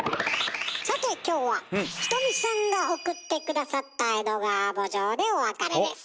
さて今日はひとみさんが送って下さった「江戸川慕情」でお別れです。